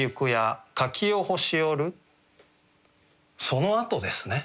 そのあとですね。